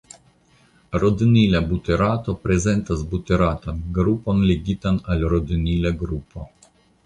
Rodinila buterato prezentas buteratan grupon ligitan al rodinila grupo.